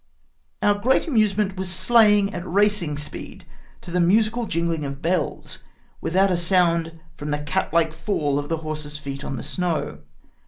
Our great amusement was sleighing at racing speed, to the musical jinghng of beUs, without a sound from the cathke faU of the horse's feet on the snow.